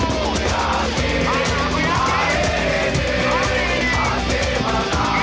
kuyakin hari ini pasti menang